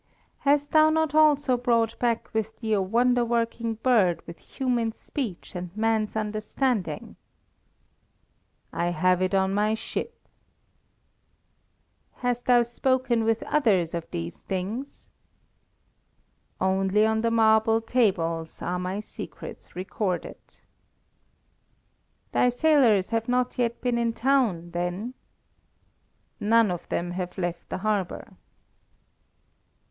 "Hast thou not also brought back with thee a wonder working bird with human speech and man's understanding?" "I have it on my ship." "Hast thou spoken with others of these things?" "Only on the marble tables are my secrets recorded." "Thy sailors have not yet been in the town, then?" "None of them have left the harbour."